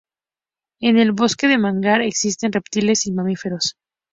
En el bosque de manglar existen reptiles y mamíferos.